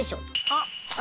あっ。